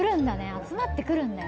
集まってくるんだよ。